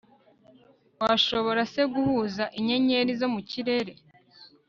washobora se guhuza inyenyeri zo mu kirere